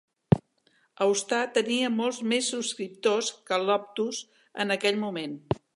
Austar tenia molts més subscriptors que Optus en aquell moment.